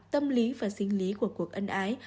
tâm lý và sinh lý của cuộc ân ái